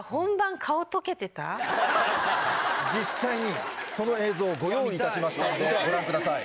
実際にその映像をご用意いたしましたのでご覧ください。